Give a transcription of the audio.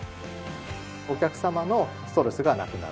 お客様のストレスがなくなる。